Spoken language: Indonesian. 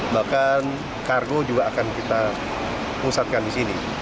bahkan kargo juga akan kita pusatkan di sini